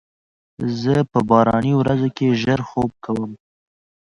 زه په باراني ورځو کې ژر خوب کوم.